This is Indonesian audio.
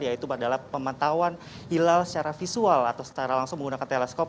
yaitu adalah pemantauan hilal secara visual atau secara langsung menggunakan teleskop